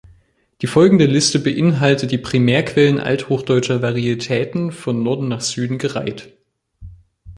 Die folgende Liste beinhaltet die Primärquellen althochdeutscher Varietäten, von Norden nach Süden gereiht.